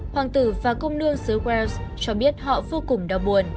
hoàng tử và công nương xứ wells cho biết họ vô cùng đau buồn